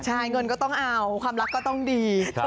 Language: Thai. ใช่เงินก็ต้องเอาความรักก็ต้องดี